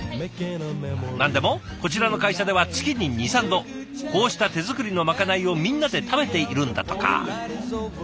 何でもこちらの会社では月に２３度こうした手作りのまかないをみんなで食べているんだとか。